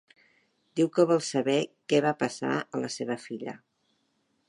Diu que vol saber què va passar a la seva filla.